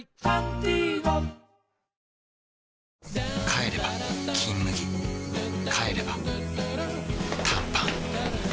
帰れば「金麦」帰れば短パン